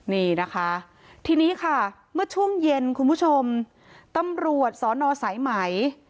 นี่นะคะทีนี้ค่ะเมื่อช่วงเย็นคุณผู้ชมตำรวจสอนอสายไหม